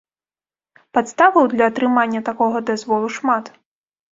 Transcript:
Падставаў для атрымання такога дазволу шмат.